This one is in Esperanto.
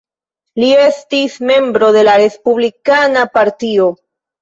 Li estis membro de la Respublikana Partio.